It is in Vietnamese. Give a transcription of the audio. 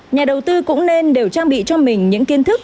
nhà đầu tư cũng nên đều trang bị cho mình những kiến thức